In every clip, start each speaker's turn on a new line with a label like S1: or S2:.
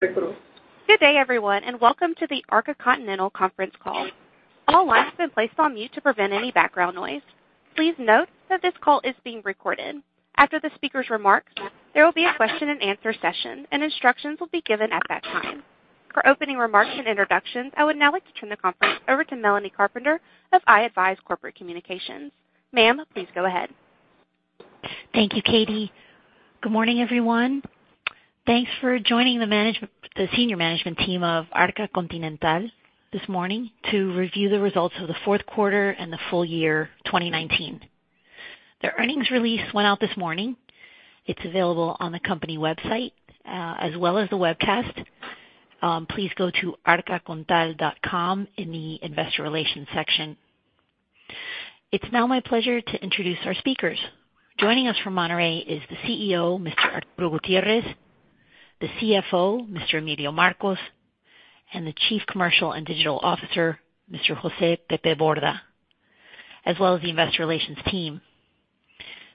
S1: Good day everyone, and welcome to the Arca Continental conference call. All lines have been placed on mute to prevent any background noise. Please note that this call is being recorded. After the speaker's remarks, there will be a question and answer session, and instructions will be given at that time. For opening remarks and introductions, I would now like to turn the conference over to Melanie Carpenter of i-advize Corporate Communications. Ma'am, please go ahead.
S2: Thank you, Katie. Good morning, everyone. Thanks for joining the senior management team of Arca Continental this morning to review the results of the fourth quarter and the full year 2019. The earnings release went out this morning. It's available on the company website, as well as the webcast. Please go to arcacontinental.com in the investor relations section. It's now my pleasure to introduce our speakers. Joining us from Monterrey is the CEO, Mr. Arturo Gutiérrez, the CFO, Mr. Emilio Marcos, and the Chief Commercial and Digital Officer, Mr. José Pepe Borda, as well as the investor relations team.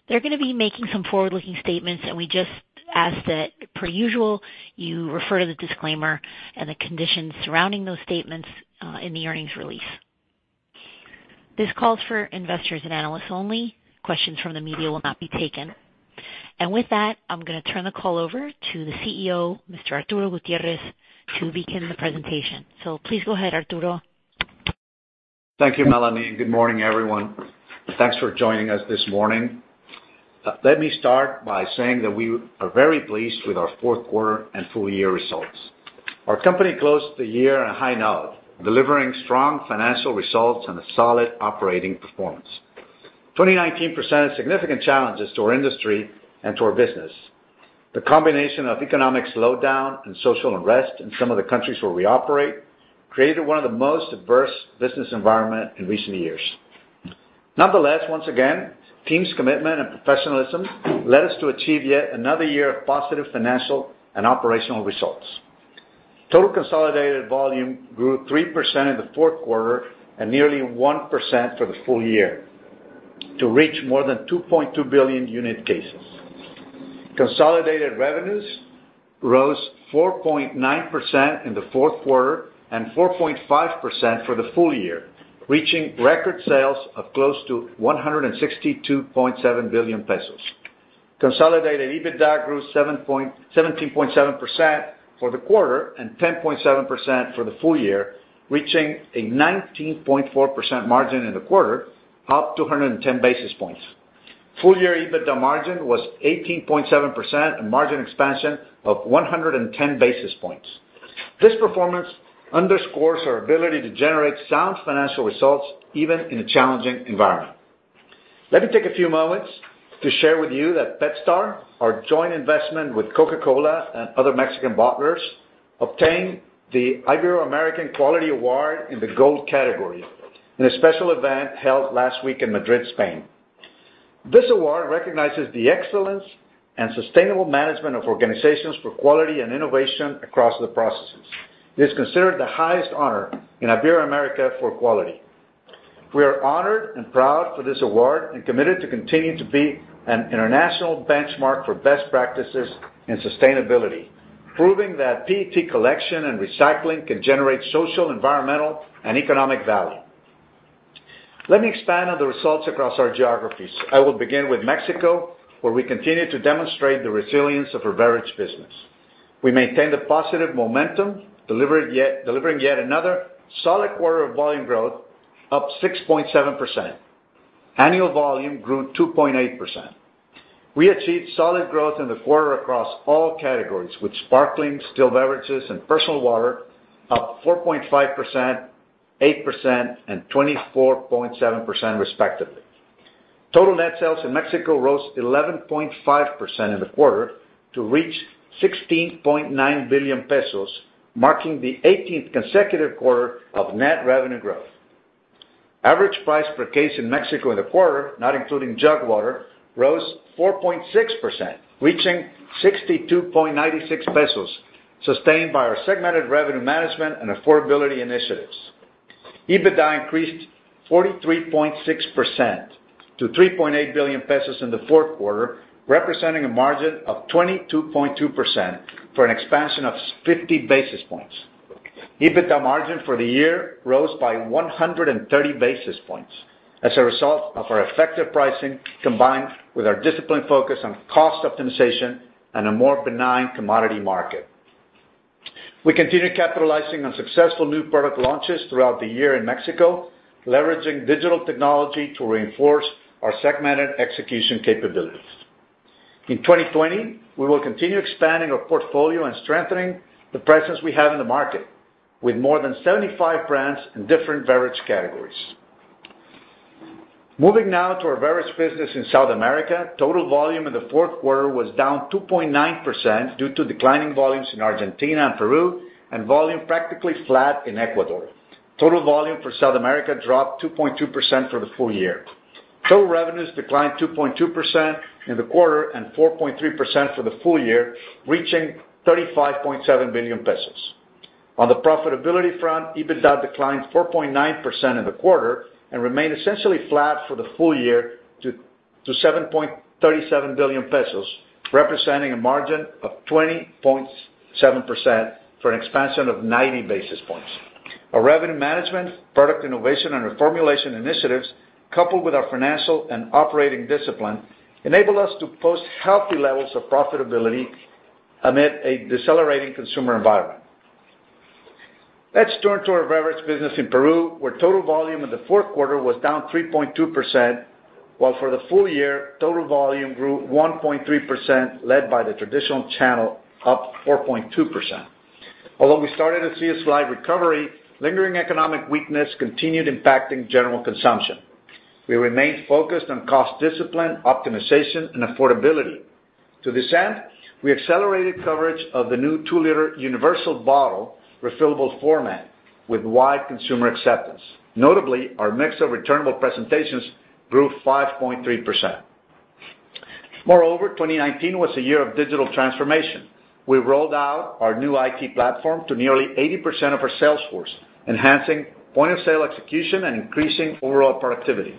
S2: They're going to be making some forward-looking statements, and we just ask that, per usual, you refer to the disclaimer and the conditions surrounding those statements in the earnings release. This call is for investors and analysts only. Questions from the media will not be taken. With that, I'm going to turn the call over to the CEO, Mr. Arturo Gutiérrez, to begin the presentation. Please go ahead, Arturo.
S3: Thank you, Melanie, and good morning, everyone. Thanks for joining us this morning. Let me start by saying that we are very pleased with our fourth quarter and full-year results. Our company closed the year on a high note, delivering strong financial results and a solid operating performance. 2019 presented significant challenges to our industry and to our business. The combination of economic slowdown and social unrest in some of the countries where we operate created one of the most adverse business environments in recent years. Nonetheless, once again, the team's commitment and professionalism led us to achieve yet another year of positive financial and operational results. Total consolidated volume grew 3% in the fourth quarter and nearly 1% for the full year to reach more than 2.2 billion unit cases. Consolidated revenues rose 4.9% in the fourth quarter and 4.5% for the full year, reaching record sales of close to 162.7 billion pesos. Consolidated EBITDA grew 17.7% for the quarter and 10.7% for the full year, reaching a 19.4% margin in the quarter, up 210 basis points. Full-year EBITDA margin was 18.7%, a margin expansion of 110 basis points. This performance underscores our ability to generate sound financial results, even in a challenging environment. Let me take a few moments to share with you that PetStar, our joint investment with Coca-Cola and other Mexican bottlers, obtained the Ibero-American Quality Award in the gold category in a special event held last week in Madrid, Spain. This award recognizes the excellence and sustainable management of organizations for quality and innovation across the processes. It is considered the highest honor in Ibero-America for quality. We are honored and proud for this award and committed to continuing to be an international benchmark for best practices in sustainability, proving that PET collection and recycling can generate social, environmental, and economic value. Let me expand on the results across our geographies. I will begin with Mexico, where we continue to demonstrate the resilience of our beverage business. We maintained a positive momentum, delivering yet another solid quarter of volume growth, up 6.7%. Annual volume grew 2.8%. We achieved solid growth in the quarter across all categories, with sparkling still beverages and personal water up 4.5%, 8%, and 24.7% respectively. Total net sales in Mexico rose 11.5% in the quarter to reach 16.9 billion pesos, marking the 18th consecutive quarter of net revenue growth. Average price per case in Mexico in the quarter, not including jug water, rose 4.6%, reaching 62.96 pesos, sustained by our segmented revenue management and affordability initiatives. EBITDA increased 43.6% to 3.8 billion pesos in the fourth quarter, representing a margin of 22.2% for an expansion of 50 basis points. EBITDA margin for the year rose by 130 basis points as a result of our effective pricing, combined with our disciplined focus on cost optimization and a more benign commodity market. We continue capitalizing on successful new product launches throughout the year in Mexico, leveraging digital technology to reinforce our segmented execution capabilities. In 2020, we will continue expanding our portfolio and strengthening the presence we have in the market, with more than 75 brands in different beverage categories. Moving now to our beverage business in South America, total volume in the fourth quarter was down 2.9% due to declining volumes in Argentina and Peru, and volume practically flat in Ecuador. Total volume for South America dropped 2.2% for the full year. Total revenues declined 2.2% in the quarter and 4.3% for the full year, reaching 35.7 billion pesos. On the profitability front, EBITDA declined 4.9% in the quarter and remained essentially flat for the full year to 7.37 billion pesos, representing a margin of 20.7% for an expansion of 90 basis points. Our revenue management, product innovation, and reformulation initiatives, coupled with our financial and operating discipline, enabled us to post healthy levels of profitability amid a decelerating consumer environment. Let's turn to our beverage business in Peru, where total volume in the fourth quarter was down 3.2%, while for the full year, total volume grew 1.3%, led by the traditional channel, up 4.2%. Although we started to see a slight recovery, lingering economic weakness continued impacting general consumption. We remained focused on cost discipline, optimization, and affordability. To this end, we accelerated coverage of the new two-liter universal bottle refillable format with wide consumer acceptance. Notably, our mix of returnable presentations grew 5.3%. Moreover, 2019 was a year of digital transformation. We rolled out our new IT platform to nearly 80% of our sales force, enhancing point-of-sale execution and increasing overall productivity.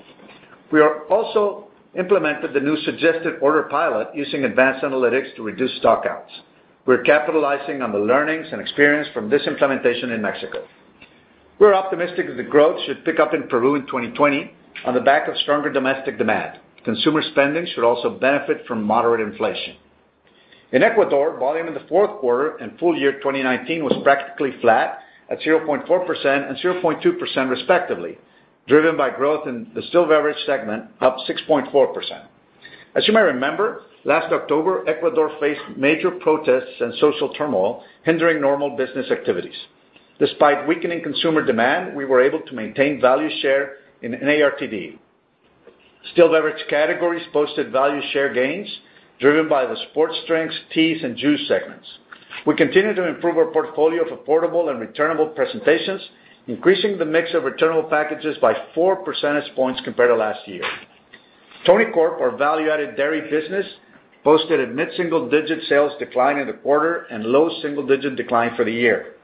S3: We are also implemented the new suggested order pilot using advanced analytics to reduce stockouts. We're capitalizing on the learnings and experience from this implementation in Mexico. We're optimistic that growth should pick up in Peru in 2020 on the back of stronger domestic demand. Consumer spending should also benefit from moderate inflation. In Ecuador, volume in the fourth quarter and full year 2019 was practically flat at 0.4% and 0.2% respectively, driven by growth in the still beverage segment, up 6.4%. As you may remember, last October, Ecuador faced major protests and social turmoil hindering normal business activities. Despite weakening consumer demand, we were able to maintain value share in ARTD. Still beverage categories posted value share gains driven by the sports drinks, teas, and juice segments. We continue to improve our portfolio of affordable and returnable presentations, increasing the mix of returnable packages by four percentage points compared to last year. Tonicorp, our value-added dairy business, posted a mid-single-digit sales decline in the quarter and low-single-digit decline for the year.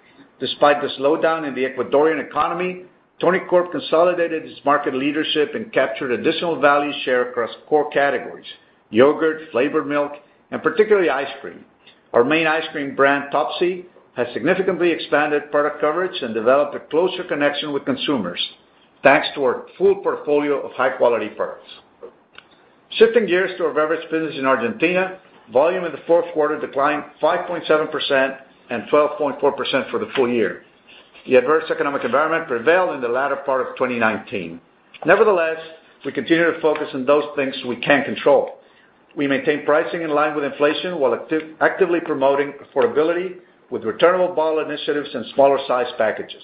S3: Despite the slowdown in the Ecuadorian economy, Tonicorp consolidated its market leadership and captured additional value share across core categories: yogurt, flavored milk, and particularly ice cream. Our main ice cream brand, Topsy, has significantly expanded product coverage and developed a closer connection with consumers, thanks to our full portfolio of high-quality products. Shifting gears to our beverage business in Argentina, volume in the fourth quarter declined 5.7% and 12.4% for the full year. The adverse economic environment prevailed in the latter part of 2019. We continue to focus on those things we can control. We maintain pricing in line with inflation while actively promoting affordability with returnable bottle initiatives and smaller size packages.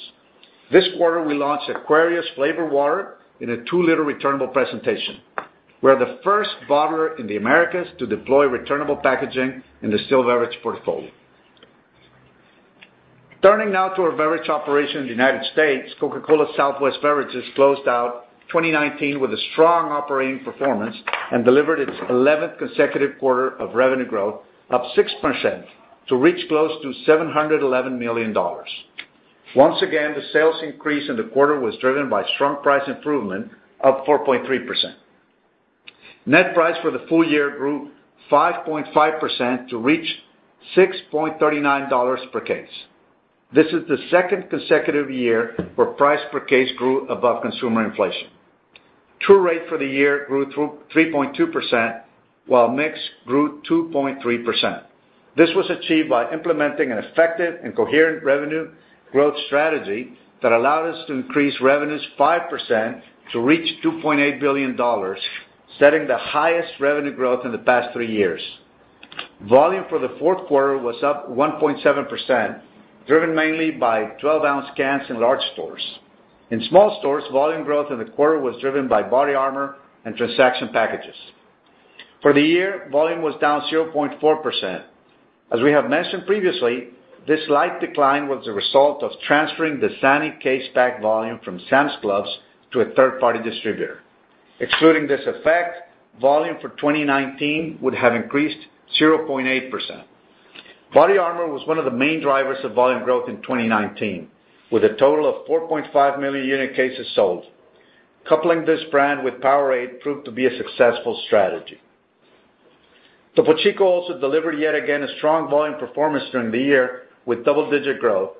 S3: This quarter, we launched Aquarius flavored water in a two-liter returnable presentation. We're the first bottler in the Americas to deploy returnable packaging in the still beverage portfolio. Turning now to our beverage operation in the United States, Coca-Cola Southwest Beverages closed out 2019 with a strong operating performance and delivered its 11th consecutive quarter of revenue growth, up 6%, to reach close to $711 million. Once again, the sales increase in the quarter was driven by strong price improvement, up 4.3%. Net price for the full year grew 5.5% to reach $6.39 per case. This is the second consecutive year where price per case grew above consumer inflation. Through rate for the year grew 3.2%, while mix grew 2.3%. This was achieved by implementing an effective and coherent revenue growth strategy that allowed us to increase revenues 5% to reach $2.8 billion, setting the highest revenue growth in the past three years. Volume for the fourth quarter was up 1.7%, driven mainly by 12-ounce cans in large stores. In small stores, volume growth in the quarter was driven by BODYARMOR and transaction packages. For the year, volume was down 0.4%. As we have mentioned previously, this slight decline was a result of transferring the Sunny case pack volume from Sam's Club to a third-party distributor. Excluding this effect, volume for 2019 would have increased 0.8%. BODYARMOR was one of the main drivers of volume growth in 2019, with a total of 4.5 million unit cases sold. Coupling this brand with Powerade proved to be a successful strategy. Topo Chico also delivered yet again a strong volume performance during the year with double-digit growth.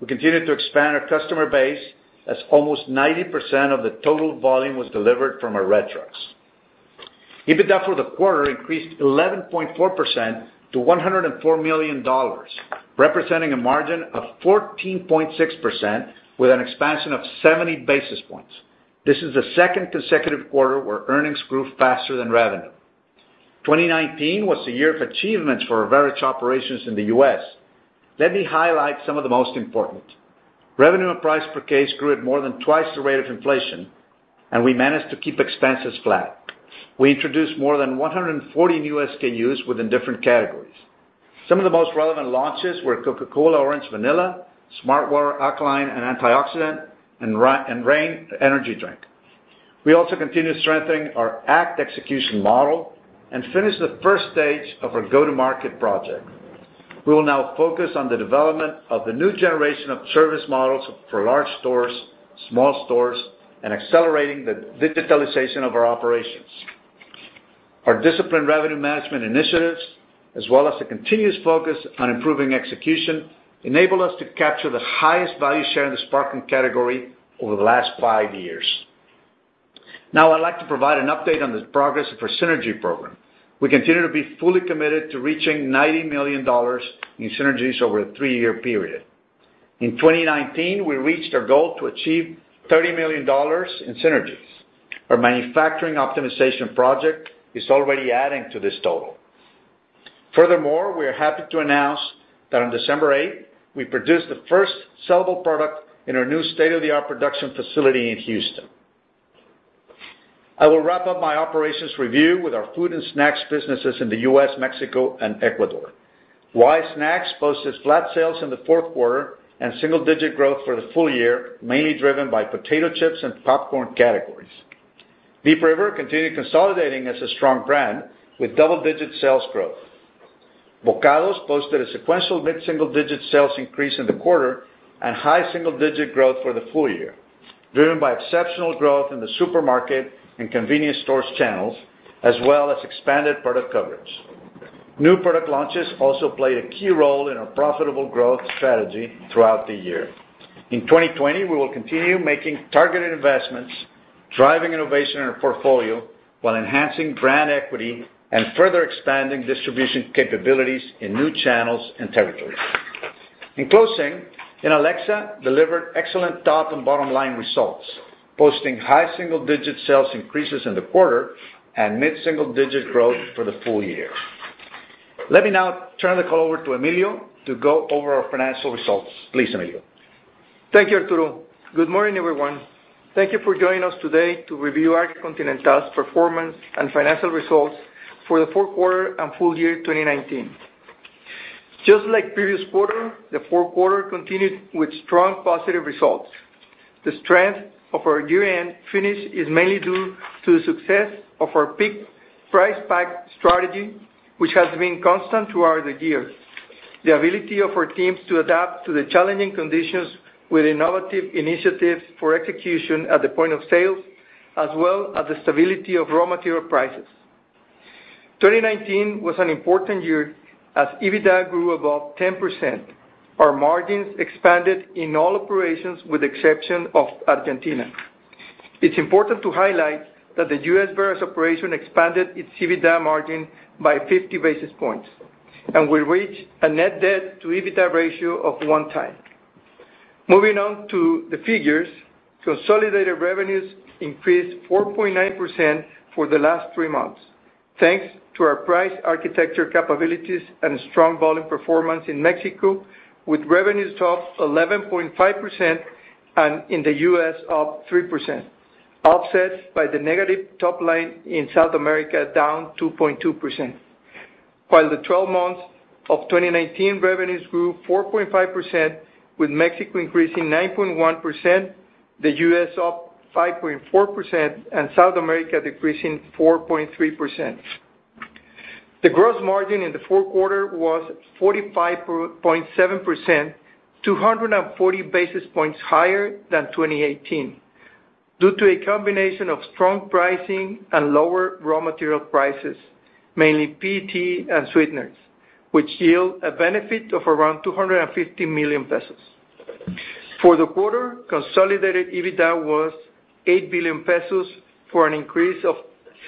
S3: We continued to expand our customer base as almost 90% of the total volume was delivered from our red trucks. EBITDA for the quarter increased 11.4% to $104 million, representing a margin of 14.6% with an expansion of 70 basis points. This is the second consecutive quarter where earnings grew faster than revenue. 2019 was a year of achievements for our beverage operations in the U.S. Let me highlight some of the most important. Revenue and price per case grew at more than twice the rate of inflation, and we managed to keep expenses flat. We introduced more than 140 new SKUs within different categories. Some of the most relevant launches were Coca-Cola Orange Vanilla, smartwater Alkaline and Antioxidant, and REIGN Total Body Fuel. We also continue strengthening our act execution model and finish the first stage of our go-to-market project. We will now focus on the development of the new generation of service models for large stores, small stores, and accelerating the digitalization of our operations. Our disciplined revenue management initiatives, as well as the continuous focus on improving execution, enable us to capture the highest value share in the sparkling category over the last five years. I'd like to provide an update on the progress of our synergy program. We continue to be fully committed to reaching $90 million in synergies over a three-year period. In 2019, we reached our goal to achieve MXN 30 million in synergies. Our manufacturing optimization project is already adding to this total. We are happy to announce that on December 8, we produced the first sellable product in our new state-of-the-art production facility in Houston. I will wrap up my operations review with our food and snacks businesses in the U.S., Mexico, and Ecuador. Wise Foods posted flat sales in the fourth quarter and single-digit growth for the full year, mainly driven by potato chips and popcorn categories. Deep River continued consolidating as a strong brand with double-digit sales growth. Bokados posted a sequential mid-single-digit sales increase in the quarter and high-single-digit growth for the full year, driven by exceptional growth in the supermarket and convenience stores channels, as well as expanded product coverage. New product launches also play a key role in our profitable growth strategy throughout the year. In 2020, we will continue making targeted investments, driving innovation in our portfolio, while enhancing brand equity and further expanding distribution capabilities in new channels and territories. In closing, Inalecsa delivered excellent top and bottom-line results, posting high-single-digit sales increases in the quarter and mid-single-digit growth for the full year. Let me now turn the call over to Emilio to go over our financial results. Please, Emilio.
S4: Thank you, Arturo. Good morning, everyone. Thank you for joining us today to review Arca Continental's performance and financial results for the fourth quarter and full year 2019. Just like previous quarter, the fourth quarter continued with strong positive results. The strength of our year-end finish is mainly due to the success of our pick price pack strategy, which has been constant throughout the years. The ability of our teams to adapt to the challenging conditions with innovative initiatives for execution at the point of sales, as well as the stability of raw material prices. 2019 was an important year as EBITDA grew above 10%. Our margins expanded in all operations, with exception of Argentina. It's important to highlight that the U.S. beers operation expanded its EBITDA margin by 50 basis points, and we reached a net debt to EBITDA ratio of one time. Moving on to the figures, consolidated revenues increased 4.9% for the last three months, thanks to our price architecture capabilities and strong volume performance in Mexico, with revenues up 11.5% and in the U.S. up 3%, offset by the negative top line in South America, down 2.2%. The 12 months of 2019 revenues grew 4.5%, with Mexico increasing 9.1%, the U.S. up 5.4%, and South America decreasing 4.3%. The gross margin in the fourth quarter was 45.7%, 240 basis points higher than 2018 due to a combination of strong pricing and lower raw material prices, mainly PET and sweeteners, which yield a benefit of around 250 million pesos. For the quarter, consolidated EBITDA was 8 billion pesos for an increase of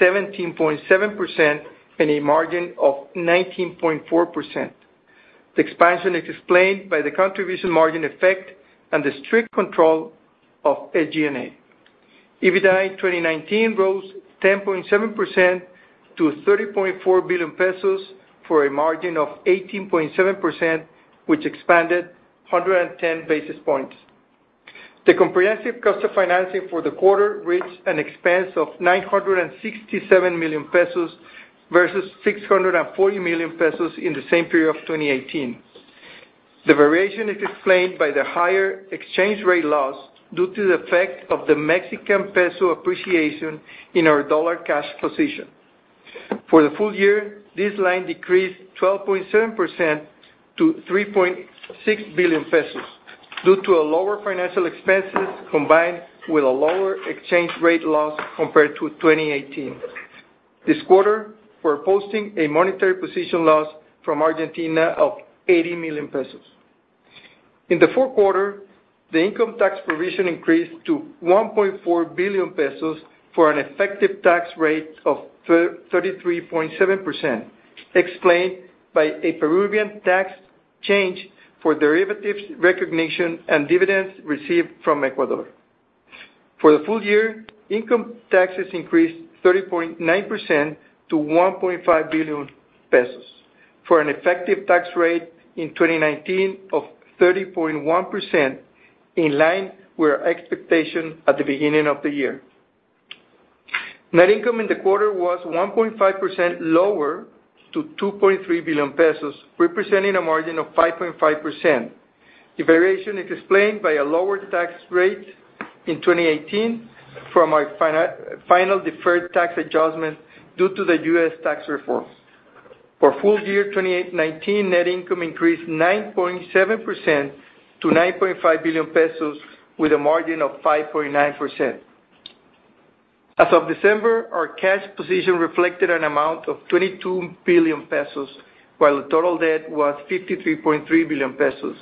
S4: 17.7% and a margin of 19.4%. The expansion is explained by the contribution margin effect and the strict control of SG&A. EBITDA in 2019 rose 10.7% to 30.4 billion pesos for a margin of 18.7%, which expanded 110 basis points. The comprehensive cost of financing for the quarter reached an expense of 967 million pesos versus 640 million pesos in the same period of 2018. The variation is explained by the higher exchange rate loss due to the effect of the Mexican peso appreciation in our dollar cash position. For the full year, this line decreased 12.7% to 3.6 billion pesos due to a lower financial expenses combined with a lower exchange rate loss compared to 2018. This quarter, we're posting a monetary position loss from Argentina of 80 million pesos. In the fourth quarter, the income tax provision increased to 1.4 billion pesos for an effective tax rate of 33.7%, explained by a Peruvian tax change for derivatives recognition and dividends received from Ecuador. For the full year, income taxes increased 30.9% to 1.5 billion pesos, for an effective tax rate in 2019 of 30.1%, in line with our expectation at the beginning of the year. Net income in the quarter was 1.5% lower to 2.3 billion pesos, representing a margin of 5.5%. The variation is explained by a lower tax rate in 2018 from our final deferred tax adjustment due to the U.S. tax reforms. For full year 2019, net income increased 9.7% to 9.5 billion pesos with a margin of 5.9%. As of December, our cash position reflected an amount of 22 billion pesos, while the total debt was 53.3 billion pesos.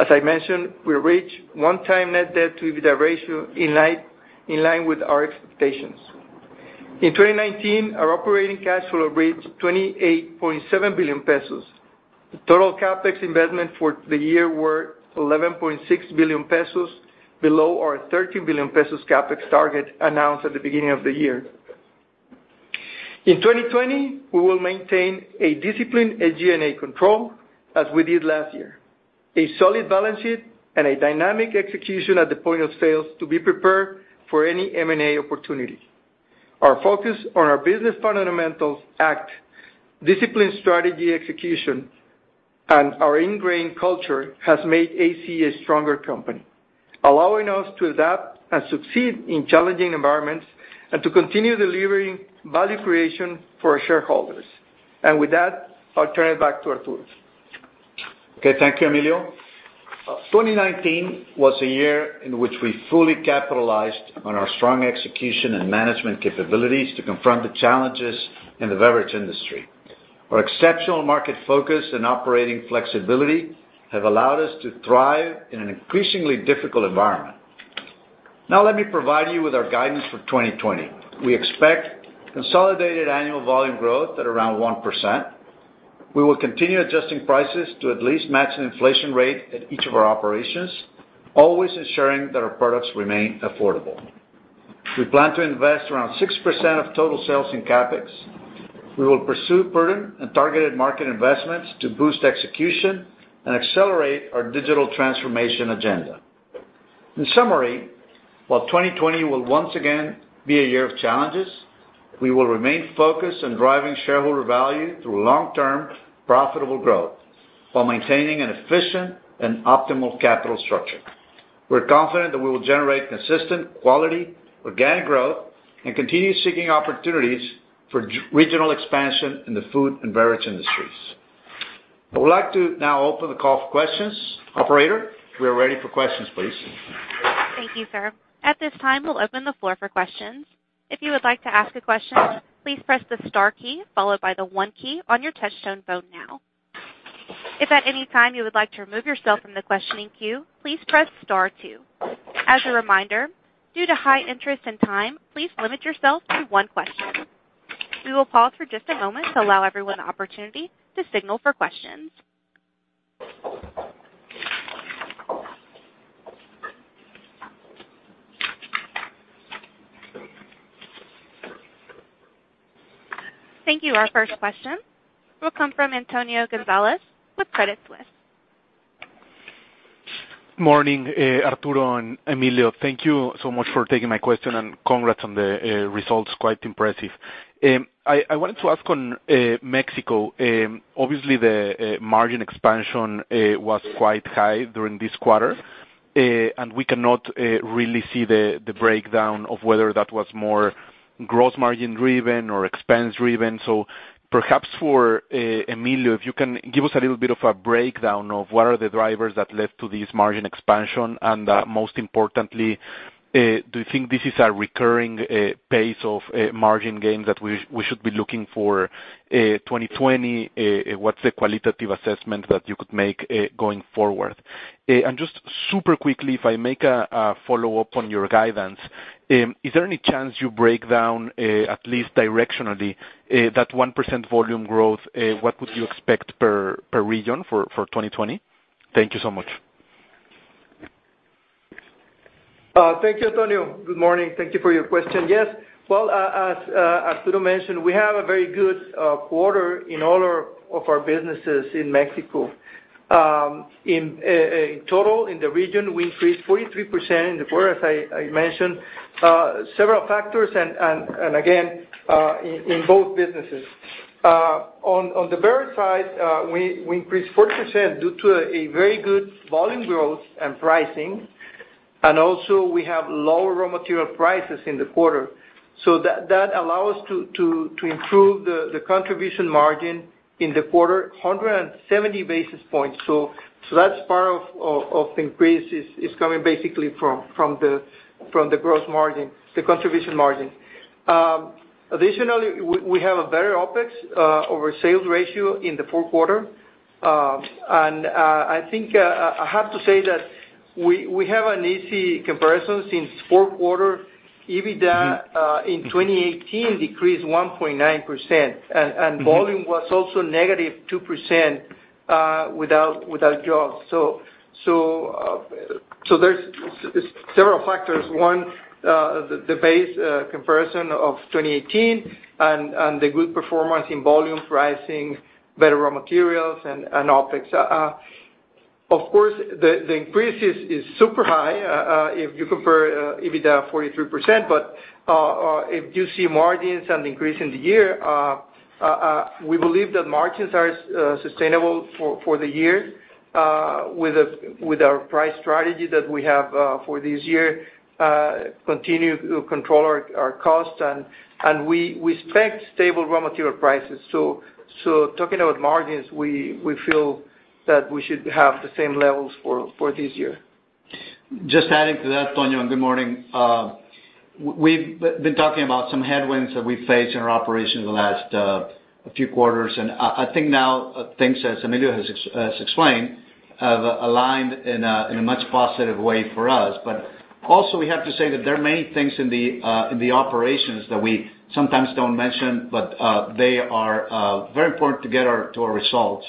S4: As I mentioned, we reached 1x net debt to EBITDA ratio in line with our expectations. In 2019, our operating cash flow reached 28.7 billion pesos. The total CapEx investment for the year were 11.6 billion pesos, below our 13 billion pesos CapEx target announced at the beginning of the year. In 2020, we will maintain a discipline at G&A control as we did last year, a solid balance sheet and a dynamic execution at the point of sales to be prepared for any M&A opportunity. Our focus on our business fundamentals act, discipline strategy execution, and our ingrained culture has made AC a stronger company, allowing us to adapt and succeed in challenging environments and to continue delivering value creation for our shareholders. With that, I'll turn it back to Arturo.
S3: Okay. Thank you, Emilio. 2019 was a year in which we fully capitalized on our strong execution and management capabilities to confront the challenges in the beverage industry. Our exceptional market focus and operating flexibility have allowed us to thrive in an increasingly difficult environment. Now let me provide you with our guidance for 2020. We expect consolidated annual volume growth at around 1%. We will continue adjusting prices to at least match the inflation rate at each of our operations, always ensuring that our products remain affordable. We plan to invest around 6% of total sales in CapEx. We will pursue prudent and targeted market investments to boost execution and accelerate our digital transformation agenda. In summary, while 2020 will once again be a year of challenges, we will remain focused on driving shareholder value through long-term, profitable growth while maintaining an efficient and optimal capital structure. We're confident that we will generate consistent quality, organic growth, and continue seeking opportunities for regional expansion in the food and beverage industries. I would like to now open the call for questions. Operator, we are ready for questions, please.
S1: Thank you, sir. At this time, we'll open the floor for questions. If you would like to ask a question, please press the star key followed by the one key on your touch tone phone now. If at any time you would like to remove yourself from the questioning queue, please press star two. As a reminder, due to high interest and time, please limit yourself to one question. We will pause for just a moment to allow everyone the opportunity to signal for questions. Thank you. Our first question will come from Antonio Gonzalez with Credit Suisse.
S5: Morning, Arturo and Emilio. Thank you so much for taking my question and congrats on the results. Quite impressive. I wanted to ask on Mexico. Obviously, the margin expansion was quite high during this quarter, and we cannot really see the breakdown of whether that was more gross margin driven or expense driven. Perhaps for Emilio, if you can give us a little bit of a breakdown of what are the drivers that led to this margin expansion, and most importantly, do you think this is a recurring pace of margin gains that we should be looking for 2020? What's the qualitative assessment that you could make going forward? Just super quickly, if I make a follow-up on your guidance, is there any chance you break down at least directionally that 1% volume growth? What would you expect per region for 2020? Thank you so much.
S4: Thank you, Antonio. Good morning. Thank you for your question. Yes. Well, as Arturo mentioned, we have a very good quarter in all of our businesses in Mexico. In total, in the region, we increased 43% in the quarter, as I mentioned. Several factors, again, in both businesses. On the beverage side, we increased 40% due to a very good volume growth and pricing, and also we have lower raw material prices in the quarter. That allows to improve the contribution margin in the quarter, 170 basis points. That's part of increase is coming basically from the contribution margin. Additionally, we have a better OpEx over sales ratio in the fourth quarter. I think I have to say that we have an easy comparison since fourth quarter EBITDA in 2018 decreased 1.9%, and volume was also negative 2% without FX. There's several factors. One, the base comparison of 2018 and the good performance in volume pricing, better raw materials, and OpEx. Of course, the increase is super high if you compare EBITDA 43%, but if you see margins and increase in the year, we believe that margins are sustainable for the year, with our price strategy that we have for this year, continue to control our costs, and we expect stable raw material prices. Talking about margins, we feel that we should have the same levels for this year.
S3: Just adding to that, Antonio. Good morning. We've been talking about some headwinds that we've faced in our operations the last few quarters. I think now things, as Emilio has explained, have aligned in a much positive way for us. Also, we have to say that there are many things in the operations that we sometimes don't mention, but they are very important to get to our results.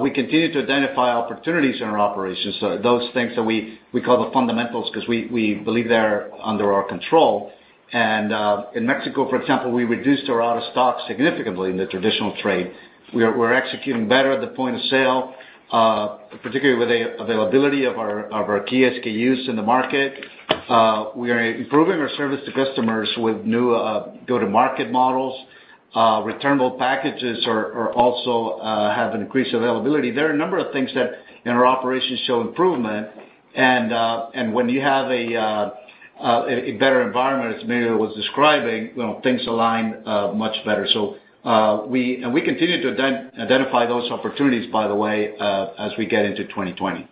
S3: We continue to identify opportunities in our operations, those things that we call the fundamentals because we believe they're under our control. In Mexico, for example, we reduced our out-of-stocks significantly in the traditional trade. We're executing better at the point of sale, particularly with the availability of our key SKUs in the market. We are improving our service to customers with new go-to-market models. Returnable packages also have an increased availability. There are a number of things that in our operations show improvement, and when you have a better environment, as Emilio was describing, things align much better. We continue to identify those opportunities, by the way, as we get into 2020.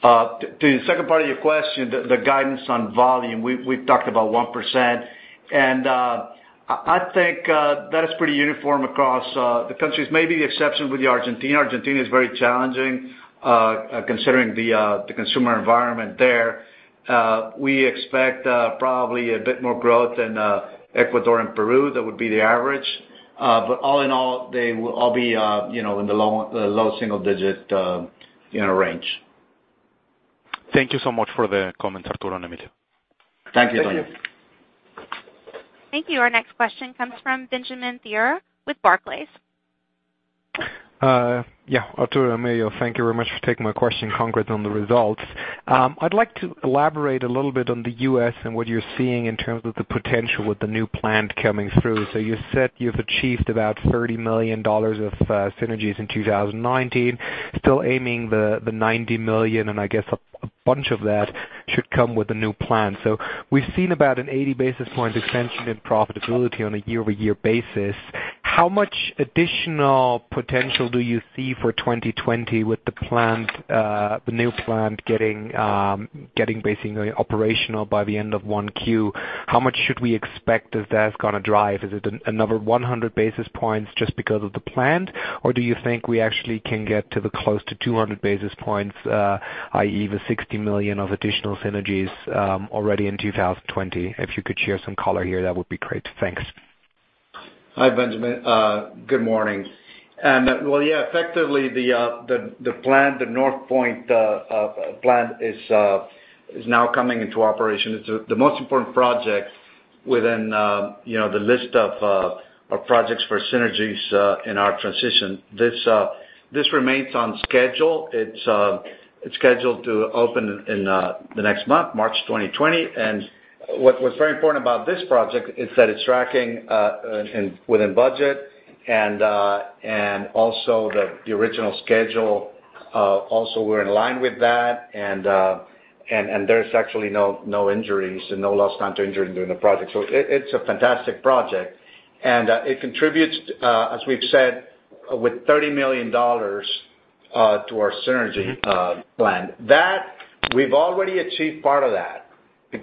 S3: To the second part of your question, the guidance on volume, we've talked about 1%, and I think that is pretty uniform across the countries, maybe the exception with Argentina. Argentina is very challenging, considering the consumer environment there. We expect probably a bit more growth in Ecuador and Peru. That would be the average. All in all, they will all be in the low single-digit range.
S5: Thank you so much for the comments, Arturo and Emilio.
S3: Thank you, Antonio.
S4: Thank you.
S1: Thank you. Our next question comes from Benjamin Theurer with Barclays.
S6: Yeah. Arturo, Emilio, thank you very much for taking my question. Congrats on the results. I'd like to elaborate a little bit on the U.S. and what you're seeing in terms of the potential with the new plant coming through. You said you've achieved about $30 million of synergies in 2019, still aiming the $90 million, and I guess a bunch of that should come with the new plant. We've seen about an 80 basis points expansion in profitability on a year-over-year basis. How much additional potential do you see for 2020 with the new plant getting basically operational by the end of 1Q? How much should we expect that that's going to drive? Is it another 100 basis points just because of the plant? Do you think we actually can get to the close to 200 basis points, i.e., the 60 million of additional synergies already in 2020? If you could share some color here, that would be great. Thanks.
S3: Hi, Benjamin. Good morning. Well, yeah, effectively the Northpoint plant is now coming into operation. It's the most important project within the list of projects for synergies in our transition. This remains on schedule. It's scheduled to open in the next month, March 2020. What's very important about this project is that it's tracking within budget and also the original schedule. Also, we're in line with that. There's actually no lost time to injury during the project. It's a fantastic project. It contributes, as we've said, with MXN 30 million to our synergy plan. We've already achieved part of that. In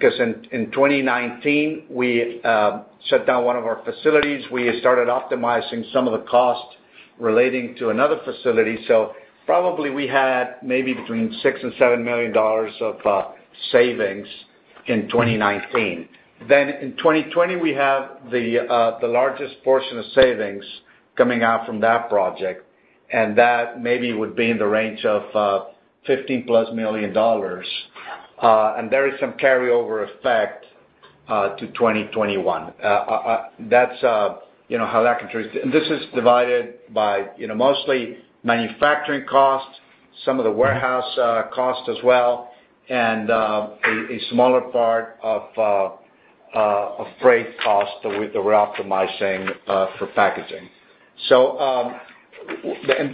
S3: 2019, we shut down one of our facilities. We started optimizing some of the costs relating to another facility. Probably we had maybe between 6 million and MXN 7 million of savings in 2019. In 2020, we have the largest portion of savings coming out from that project, and that maybe would be in the range of $50+ million. There is some carryover effect to 2021. That's how that contributes. This is divided by mostly manufacturing costs, some of the warehouse costs as well, and a smaller part of freight cost that we're optimizing for packaging.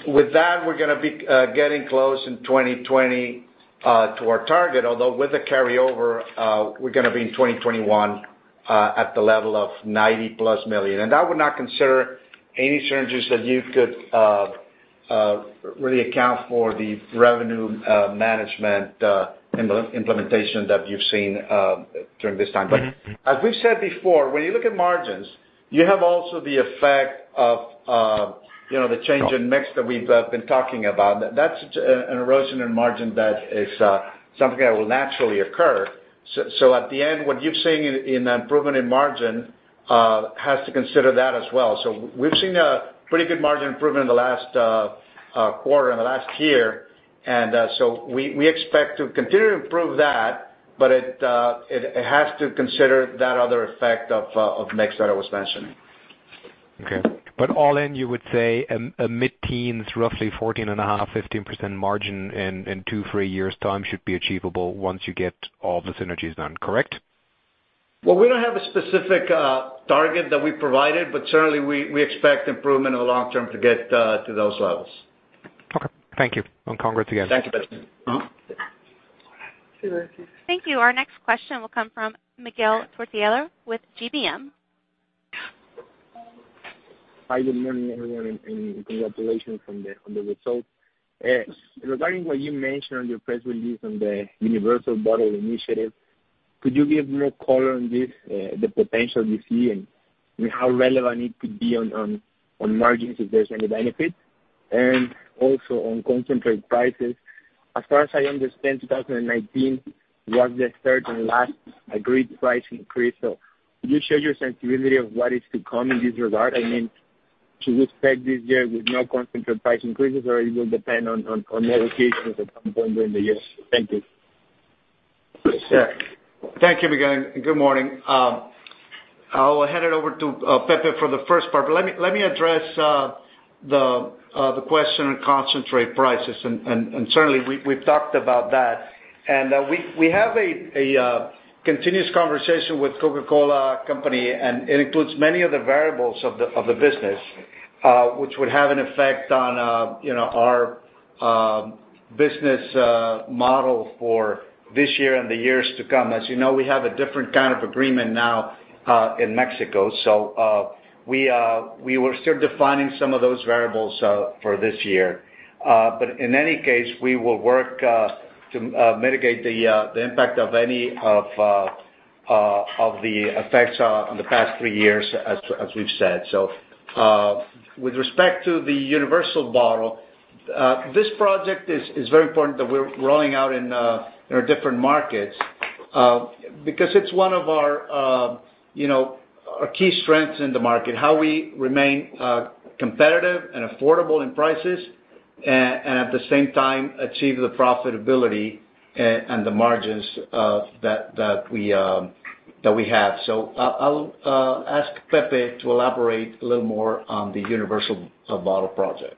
S3: With that, we're going to be getting close in 2020 to our target, although with the carryover, we're going to be in 2021 at the level of $90+ million. I would not consider any synergies that you could really account for the revenue management implementation that you've seen during this time. As we've said before, when you look at margins, you have also the effect of the change in mix that we've been talking about. That's an erosion in margin that is something that will naturally occur. At the end, what you're seeing in improvement in margin has to consider that as well. We've seen a pretty good margin improvement in the last quarter, in the last year. We expect to continue to improve that, but it has to consider that other effect of mix that I was mentioning.
S6: Okay. All in, you would say a mid-teens, roughly 14.5%, 15% margin in two, three years' time should be achievable once you get all the synergies done, correct?
S3: Well, we don't have a specific target that we provided, but certainly we expect improvement in the long term to get to those levels.
S6: Okay. Thank you. More power to you.
S3: Thank you, Benjamin.
S1: Thank you. Our next question will come from Miguel Tortolero with GBM.
S7: Hi, good morning, everyone, congratulations on the results. Regarding what you mentioned on your press release on the Universal Bottle Initiative, could you give more color on this, the potential you see and how relevant it could be on margins if there's any benefit? Also on concentrate prices, as far as I understand, 2019 was the third and last agreed price increase. Could you share your sensibility of what is to come in this regard? I mean, should we expect this year with no concentrate price increases or it will depend on negotiations at some point during the year? Thank you.
S3: Yeah. Thank you, Miguel, and good morning. I'll hand it over to Pepe for the first part, but let me address the question on concentrate prices, and certainly, we've talked about that. We have a continuous conversation with The Coca-Cola Company, and it includes many of the variables of the business, which would have an effect on our business model for this year and the years to come. As you know, we have a different kind of agreement now, in Mexico. We were still defining some of those variables for this year. In any case, we will work to mitigate the impact of the effects on the past three years, as we've said. With respect to the Universal Bottle, this project is very important that we're rolling out in our different markets, because it's one of our key strengths in the market. How we remain competitive and affordable in prices, and at the same time achieve the profitability and the margins that we have. I'll ask Pepe to elaborate a little more on the Universal Bottle project.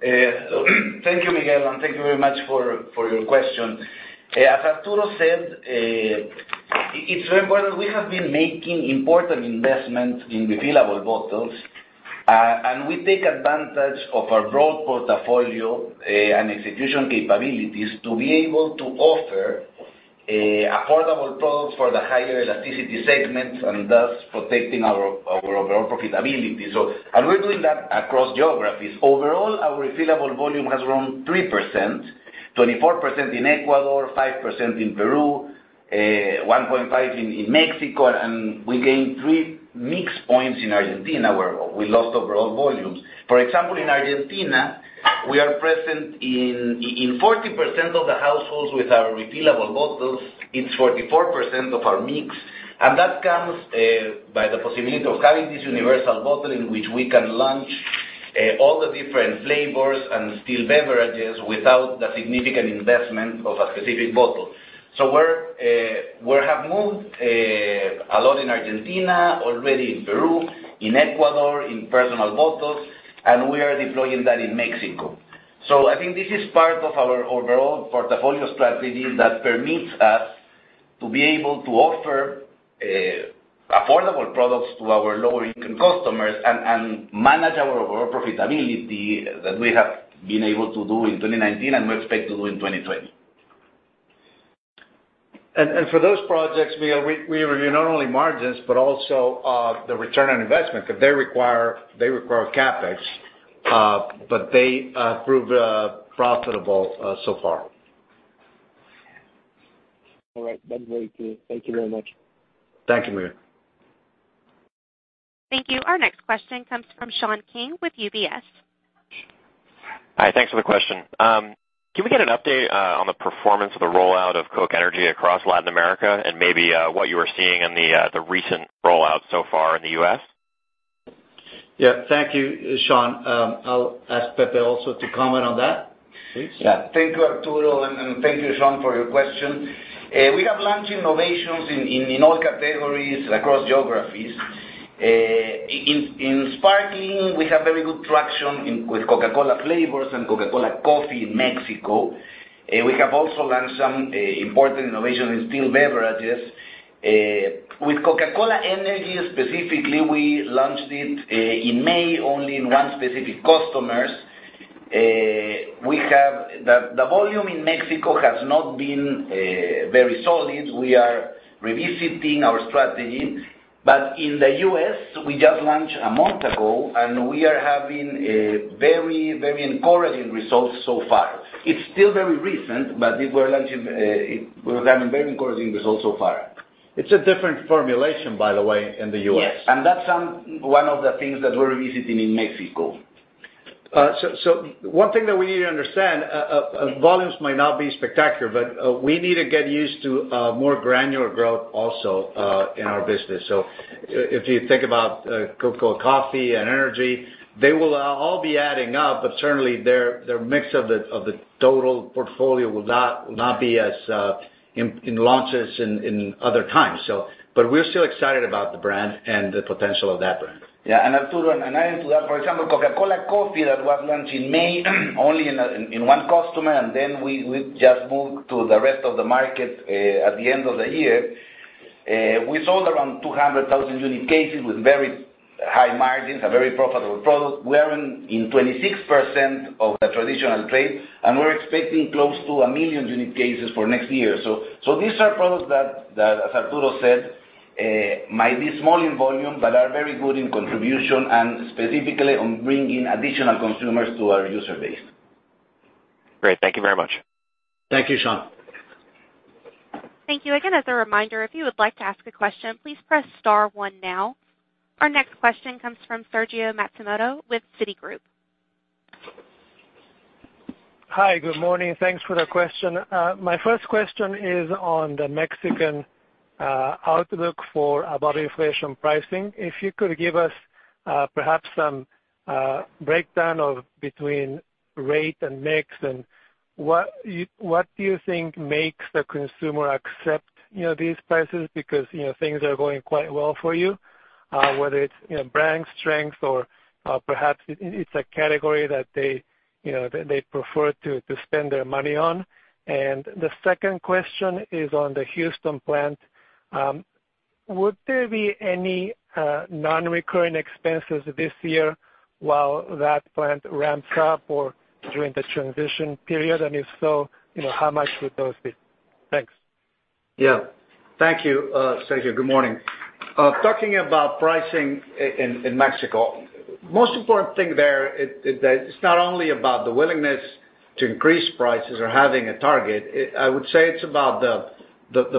S8: Thank you, Miguel, thank you very much for your question. As Arturo said, it's very important. We have been making important investments in refillable bottles, and we take advantage of our broad portfolio and execution capabilities to be able to offer affordable products for the higher elasticity segments, and thus protecting our overall profitability. We're doing that across geographies. Overall, our refillable volume has grown 3%, 24% in Ecuador, 5% in Peru, 1.5% in Mexico, and we gained three mix points in Argentina, where we lost overall volumes. For example, in Argentina, we are present in 40% of the households with our refillable bottles. It's 44% of our mix, and that comes by the possibility of having this universal bottle in which we can launch all the different flavors and still beverages without the significant investment of a specific bottle. We have moved a lot in Argentina, already in Peru, in Ecuador, in personal bottles, and we are deploying that in Mexico. I think this is part of our overall portfolio strategy that permits us to be able to offer affordable products to our lower-income customers and manage our overall profitability that we have been able to do in 2019, and we expect to do in 2020.
S3: For those projects, Miguel, we review not only margins, but also the return on investment, because they require CapEx, but they proved profitable so far.
S7: All right. That's very clear. Thank you very much.
S3: Thank you, Miguel.
S1: Thank you. Our next question comes from Sean King with UBS.
S9: Hi. Thanks for the question. Can we get an update on the performance of the rollout of Coca-Cola Energy across Latin America and maybe what you are seeing in the recent rollout so far in the U.S.?
S3: Yeah. Thank you, Sean. I'll ask Pepe also to comment on that, please.
S8: Thank you, Arturo, and thank you, Sean, for your question. We have launched innovations in all categories across geographies. In sparkling, we have very good traction with Coca-Cola flavors and Coca-Cola with Coffee in Mexico. We have also launched some important innovation in still beverages. With Coca-Cola Energy, specifically, we launched it in May only in one specific customer. The volume in Mexico has not been very solid. We are revisiting our strategy. In the U.S., we just launched a month ago, and we are having very encouraging results so far. It's still very recent, but we're having very encouraging results so far.
S3: It's a different formulation, by the way, in the U.S.
S8: Yes, that's one of the things that we're revisiting in Mexico.
S3: One thing that we need to understand, volumes might not be spectacular, but we need to get used to more granular growth also in our business. If you think about Coca-Cola coffee and energy, they will all be adding up. Certainly, their mix of the total portfolio will not be as in launches in other times. We are still excited about the brand and the potential of that brand.
S8: Yeah. Arturo, adding to that, for example, Coca-Cola with Coffee that was launched in May only in one customer, then we just moved to the rest of the market at the end of the year. We sold around 200,000 unique cases with very high margins, a very profitable product. We are in 26% of the traditional trade, we're expecting close to a million unique cases for next year. These are products that, as Arturo said, might be small in volume but are very good in contribution and specifically on bringing additional consumers to our user base.
S9: Great. Thank you very much.
S3: Thank you, Sean.
S1: Thank you. Again, as a reminder, if you would like to ask a question, please press star one now. Our next question comes from Sergio Matsumoto with Citigroup.
S10: Hi. Good morning. Thanks for the question. My first question is on the Mexican outlook for about inflation pricing. If you could give us perhaps some breakdown between rate and mix and what do you think makes the consumer accept these prices because things are going quite well for you, whether it's brand strength or perhaps it's a category that they prefer to spend their money on. The second question is on the Houston plant. Would there be any non-recurring expenses this year while that plant ramps up or during the transition period? If so, how much would those be? Thanks.
S3: Thank you, Sergio. Good morning. Talking about pricing in Mexico, most important thing there is that it's not only about the willingness to increase prices or having a target. I would say it's about the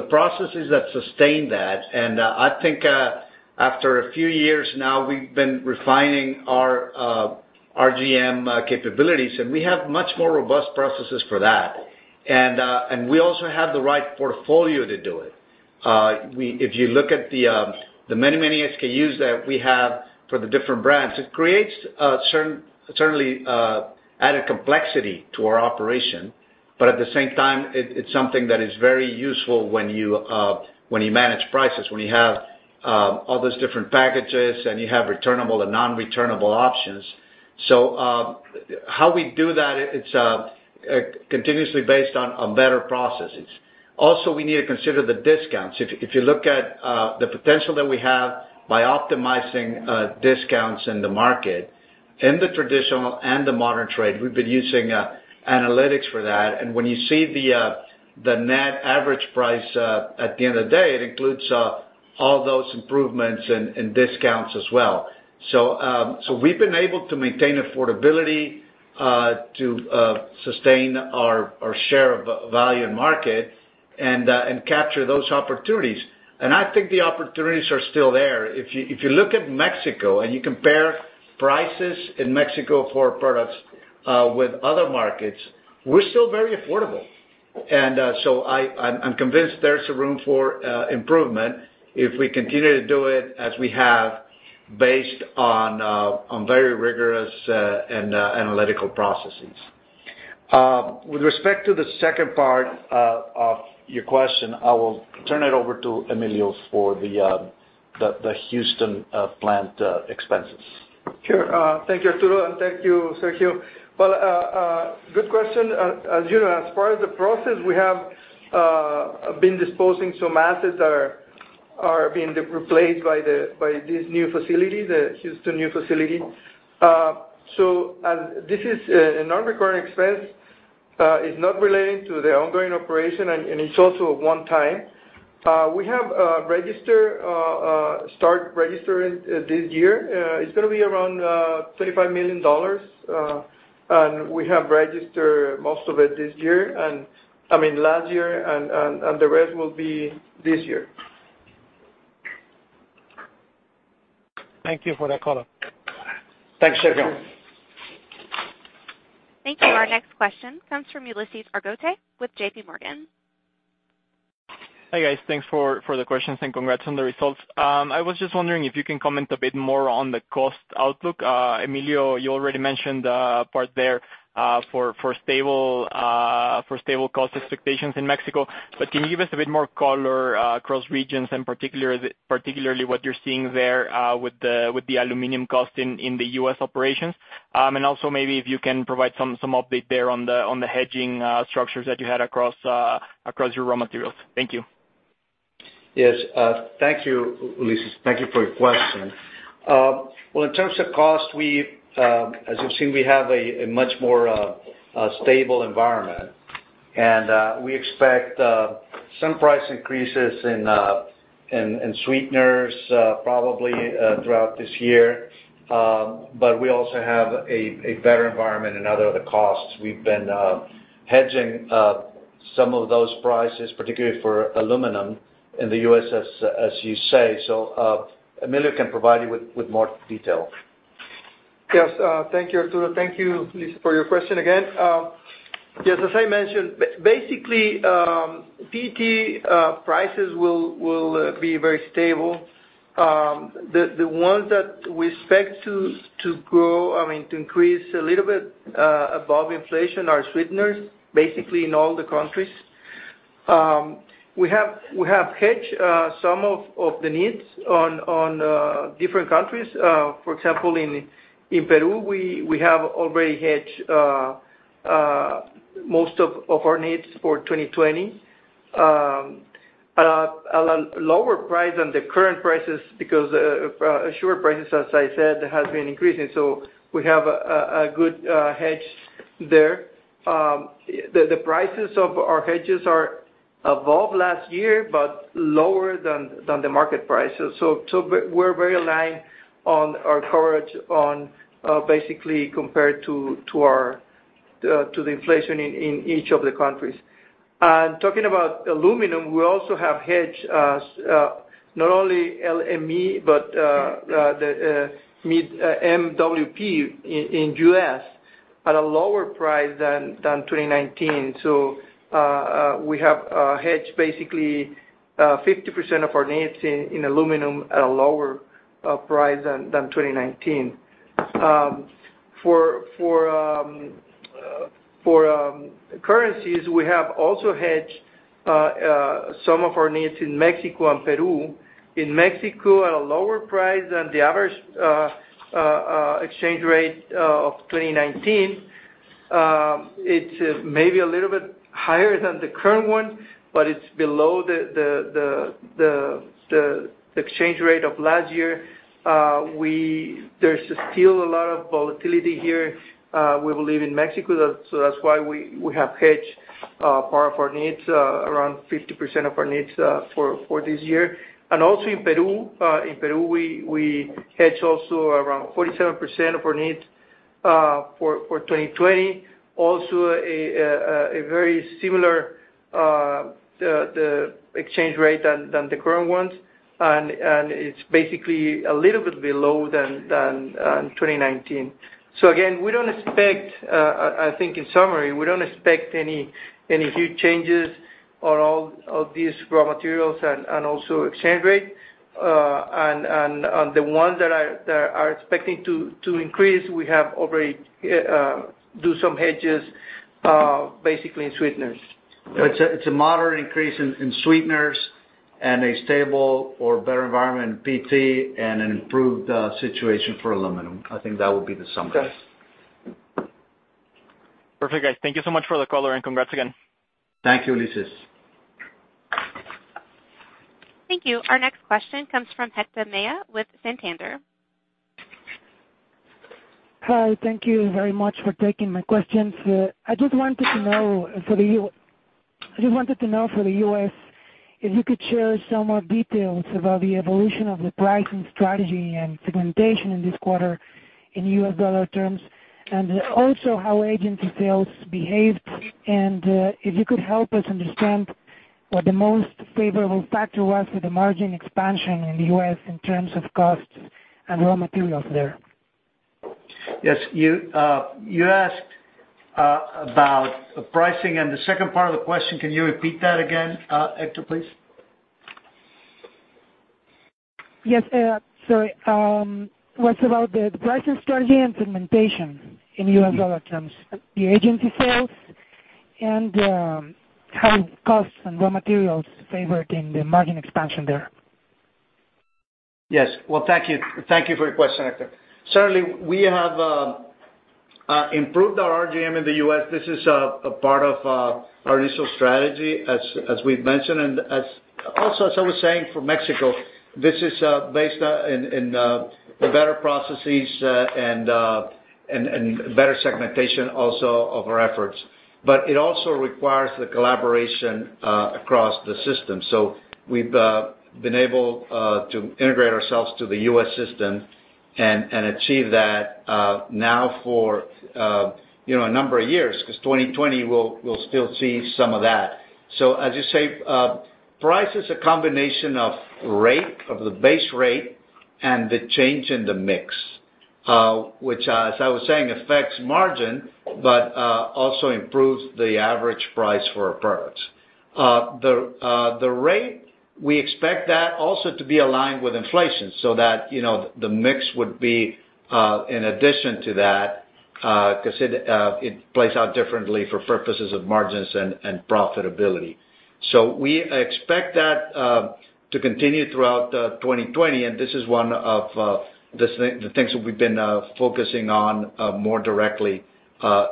S3: processes that sustain that. I think, after a few years now, we've been refining our RGM capabilities, and we have much more robust processes for that. We also have the right portfolio to do it. If you look at the many, many SKUs that we have for the different brands, it creates certainly added complexity to our operation. At the same time, it's something that is very useful when you manage prices, when you have all those different packages and you have returnable and non-returnable options. How we do that, it's continuously based on better processes. Also, we need to consider the discounts. If you look at the potential that we have by optimizing discounts in the market, in the traditional and the modern trade, we've been using analytics for that. When you see the net average price at the end of the day, it includes all those improvements and discounts as well. We've been able to maintain affordability to sustain our share of value in market and capture those opportunities. I think the opportunities are still there. If you look at Mexico and you compare prices in Mexico for products with other markets, we're still very affordable. I'm convinced there's a room for improvement if we continue to do it as we have based on very rigorous and analytical processes. With respect to the second part of your question, I will turn it over to Emilio for the Houston plant expenses.
S4: Sure. Thank you, Arturo, and thank you, Sergio. Well, good question. As you know, as far as the process, we have been disposing some assets that are being replaced by this new facility, the Houston new facility. This is a non-recurring expense. It's not relating to the ongoing operation, and it's also a one-time. We have start registering this year. It's going to be around MXN 35 million. We have registered most of it this year I mean, last year, and the rest will be this year.
S10: Thank you for the color.
S3: Thanks, Sergio.
S1: Thank you. Our next question comes from Ulises Argote with J.P. Morgan.
S11: Hi, guys. Thanks for the questions and congrats on the results. I was just wondering if you can comment a bit more on the cost outlook. Emilio, you already mentioned the part there for stable cost expectations in Mexico, but can you give us a bit more color across regions and particularly what you're seeing there with the aluminum cost in the U.S. operations? Also maybe if you can provide some update there on the hedging structures that you had across your raw materials. Thank you.
S3: Yes. Thank you, Ulises. Thank you for your question. Well, in terms of cost, as you've seen, we have a much more stable environment. We expect some price increases in sweeteners probably throughout this year. We also have a better environment in other of the costs. We've been hedging some of those prices, particularly for aluminum in the U.S., as you say. Emilio can provide you with more detail.
S4: Yes. Thank you, Arturo. Thank you, Ulises, for your question again. Yes, as I mentioned, basically, PET prices will be very stable. The ones that we expect to increase a little bit above inflation are sweeteners, basically in all the countries. We have hedged some of the needs on different countries. For example, in Peru, we have already hedged most of our needs for 2020 at a lower price than the current prices, because assured prices, as I said, has been increasing, so we have a good hedge there. The prices of our hedges are above last year, but lower than the market price. We're very aligned on our coverage on basically compared to the inflation in each of the countries. Talking about aluminum, we also have hedged, not only LME, but the MWP in U.S. at a lower price than 2019. We have hedged basically 50% of our needs in aluminum at a lower price than 2019. For currencies, we have also hedged some of our needs in Mexico and Peru. In Mexico, at a lower price than the average exchange rate of 2019. It's maybe a little bit higher than the current one, but it's below the exchange rate of last year. There's still a lot of volatility here, we believe in Mexico, so that's why we have hedged part of our needs, around 50% of our needs for this year. Also in Peru. In Peru, we hedge also around 47% of our needs for 2020. A very similar exchange rate than the current ones, and it's basically a little bit below than 2019. Again, I think in summary, we don't expect any huge changes on all of these raw materials and also exchange rate. The ones that are expecting to increase, we have already do some hedges, basically in sweeteners.
S3: It's a moderate increase in sweeteners and a stable or better environment in PET, and an improved situation for aluminum. I think that would be the summary.
S4: Yes.
S11: Perfect, guys. Thank you so much for the color. Congrats again.
S3: Thank you, Ulises.
S1: Thank you. Our next question comes from Héctor Maya with Santander.
S12: Hi. Thank you very much for taking my questions. I just wanted to know for the U.S., if you could share some more details about the evolution of the pricing strategy and segmentation in this quarter in U.S. dollar terms, and also how agency sales behaved, and if you could help us understand what the most favorable factor was for the margin expansion in the U.S. in terms of costs and raw materials there.
S3: Yes. You asked about the pricing, and the second part of the question, can you repeat that again, Héctor, please?
S12: Yes, sorry. Was about the pricing strategy and segmentation in US dollar terms, the agency sales, and how costs and raw materials favor in the margin expansion there.
S3: Yes. Well, thank you for your question, Héctor. Certainly, we have improved our RGM in the U.S. This is a part of our initial strategy, as we've mentioned, and also, as I was saying, for Mexico. This is based in better processes and better segmentation also of our efforts. It also requires the collaboration across the system. We've been able to integrate ourselves to the U.S. system and achieve that now for a number of years, because 2020, we'll still see some of that. As you say, price is a combination of the base rate and the change in the mix, which, as I was saying, affects margin, but also improves the average price for our products. The rate, we expect that also to be aligned with inflation, so that the mix would be in addition to that, because it plays out differently for purposes of margins and profitability. We expect that to continue throughout 2020, and this is one of the things that we've been focusing on more directly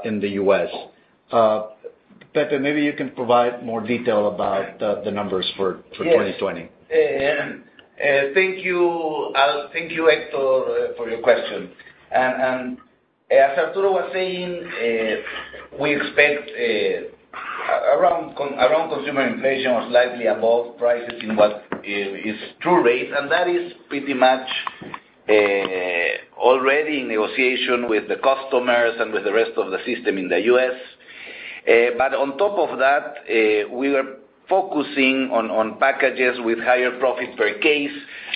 S3: in the U.S. Pepe, maybe you can provide more detail about the numbers for 2020.
S8: Yes. Thank you, Héctor, for your question. As Arturo was saying, we expect around consumer inflation or slightly above prices in what is true rate, and that is pretty much. Already in negotiation with the customers and with the rest of the system in the U.S. On top of that, we are focusing on packages with higher profit per case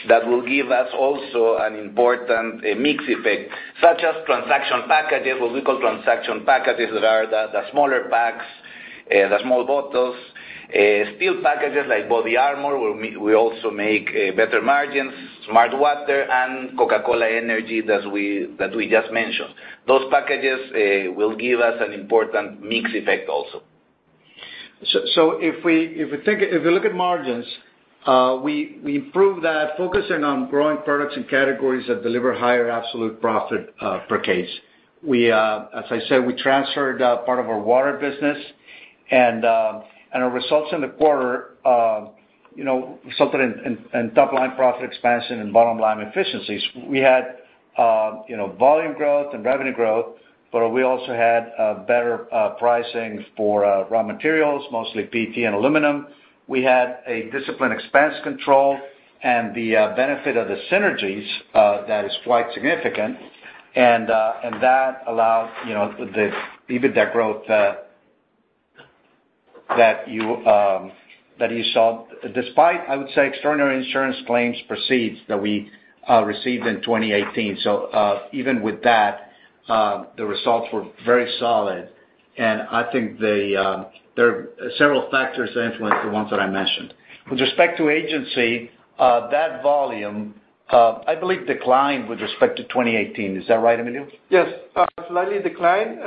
S8: that will give us also an important mix effect, such as transaction packages, what we call transaction packages, that are the smaller packs, the small bottles. Still packages like BODYARMOR, we also make better margins, smartwater and Coca-Cola Energy that we just mentioned. Those packages will give us an important mix effect also.
S3: If you look at margins, we improved that focusing on growing products and categories that deliver higher absolute profit per case. As I said, we transferred part of our water business and our results in the quarter, something in top-line profit expansion and bottom-line efficiencies. We had volume growth and revenue growth, we also had better pricing for raw materials, mostly PET and aluminum. We had a disciplined expense control and the benefit of the synergies that is quite significant, that allowed the EBITDA growth that you saw, despite, I would say, extraordinary insurance claims proceeds that we received in 2018. Even with that, the results were very solid, and I think there are several factors that influenced the ones that I mentioned. With respect to agency, that volume, I believe, declined with respect to 2018. Is that right, Emilio?
S4: Yes. Slightly declined.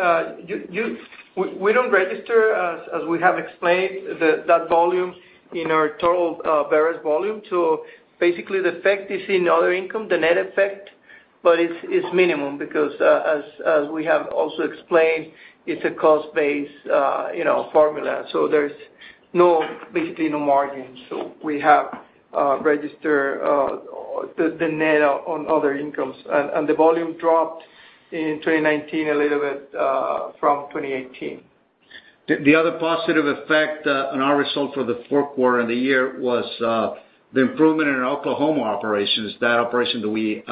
S4: We don't register, as we have explained, that volume in our total various volume. Basically, the effect is in other income, the net effect, but it's minimum because, as we have also explained, it's a cost-based formula, so there's basically no margin. We have registered the net on other incomes. The volume dropped in 2019 a little bit from 2018.
S3: The other positive effect on our result for the fourth quarter and the year was the improvement in our Oklahoma operations, that operation that we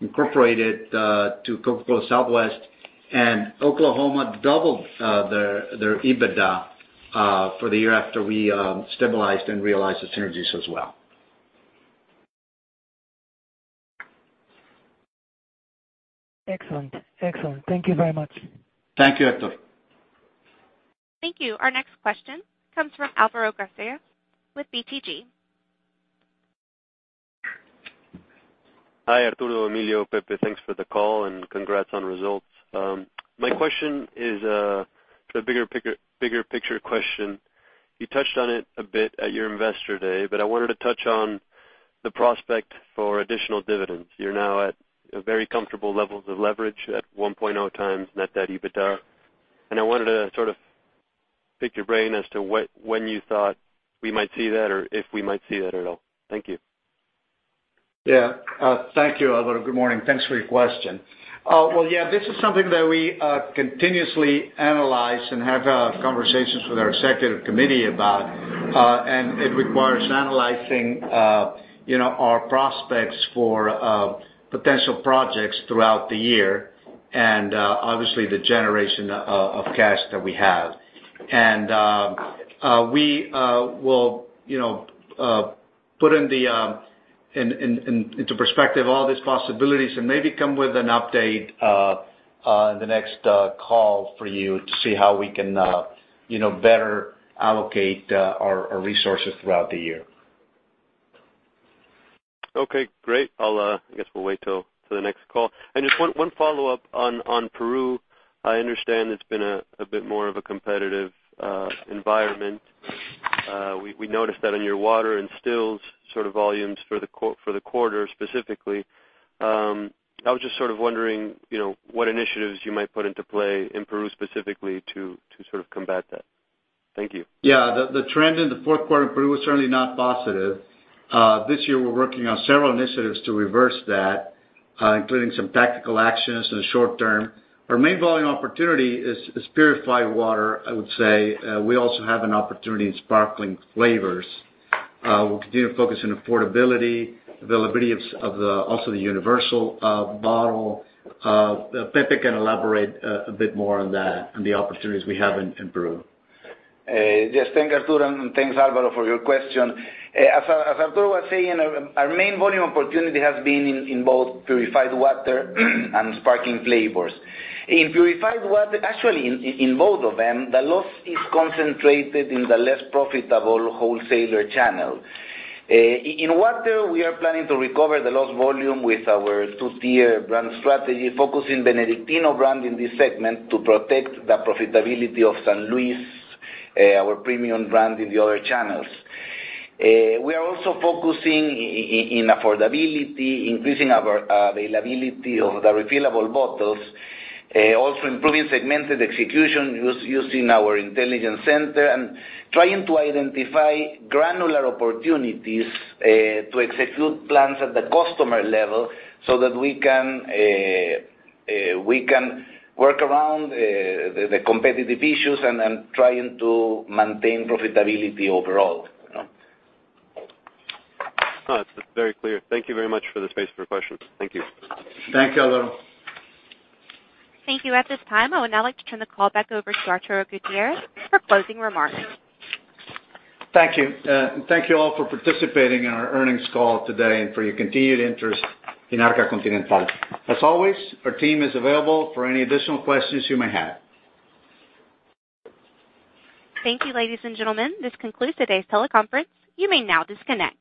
S3: incorporated to Coca-Cola Southwest. Oklahoma doubled their EBITDA for the year after we stabilized and realized the synergies as well.
S12: Excellent. Thank you very much.
S3: Thank you, Héctor.
S1: Thank you. Our next question comes from Álvaro García with BTG.
S13: Hi, Arturo, Emilio, Pepe, thanks for the call and congrats on results. My question is the bigger picture question. You touched on it a bit at your investor day, but I wanted to touch on the prospect for additional dividends. You're now at very comfortable levels of leverage at 1.0x net debt EBITDA, and I wanted to sort of pick your brain as to when you thought we might see that or if we might see that at all. Thank you.
S3: Yeah. Thank you, Álvaro. Good morning. Thanks for your question. Well, yeah, this is something that we continuously analyze and have conversations with our executive committee about. It requires analyzing our prospects for potential projects throughout the year and obviously the generation of cash that we have. We will put into perspective all these possibilities and maybe come with an update on the next call for you to see how we can better allocate our resources throughout the year.
S13: Okay, great. I guess we'll wait till the next call. Just one follow-up on Peru. I understand it's been a bit more of a competitive environment. We noticed that in your water and stills sort of volumes for the quarter specifically. I was just sort of wondering what initiatives you might put into play in Peru specifically to sort of combat that. Thank you.
S3: Yeah. The trend in the fourth quarter in Peru was certainly not positive. This year, we're working on several initiatives to reverse that, including some tactical actions in the short term. Our main volume opportunity is purified water, I would say. We also have an opportunity in sparkling flavors. We'll continue to focus on affordability, availability of also the universal bottle. Pepe can elaborate a bit more on that, on the opportunities we have in Peru.
S8: Thanks, Arturo, and thanks, Álvaro, for your question. As Arturo was saying, our main volume opportunity has been in both purified water and sparkling flavors. In purified water. Actually, in both of them, the loss is concentrated in the less profitable wholesaler channel. In water, we are planning to recover the lost volume with our two-tier brand strategy, focusing Benedictino brand in this segment to protect the profitability of San Luis, our premium brand in the other channels. We are also focusing in affordability, increasing our availability of the refillable bottles, also improving segmented execution using our intelligence center and trying to identify granular opportunities to execute plans at the customer level so that we can work around the competitive issues and trying to maintain profitability overall.
S13: No, it's very clear. Thank you very much for the space for questions. Thank you.
S3: Thank you, Álvaro.
S1: Thank you. At this time, I would now like to turn the call back over to Arturo Gutiérrez for closing remarks.
S3: Thank you. Thank you all for participating in our earnings call today and for your continued interest in Arca Continental. As always, our team is available for any additional questions you may have.
S1: Thank you, ladies and gentlemen. This concludes today's teleconference. You may now disconnect.